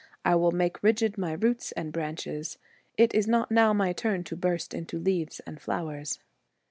I will make rigid my roots and branches. It is not now my turn to burst into leaves and flowers.'